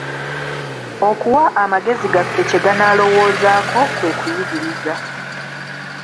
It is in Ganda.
Okuwa amagezi gaffe kye ganalowoozako, kwe kuyigiriza.